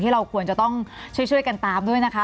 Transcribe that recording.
เราควรจะต้องช่วยกันตามด้วยนะคะ